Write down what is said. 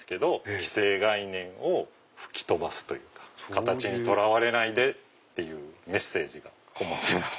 既成概念を吹き飛ばすというか形にとらわれないで！っていうメッセージがこもってます